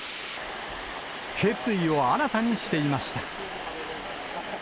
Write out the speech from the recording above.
決意を新たにしていました。